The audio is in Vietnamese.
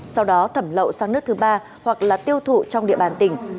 sau đó thẩm lậu sang nước thứ ba hoặc là tiêu thụ trong địa bàn tỉnh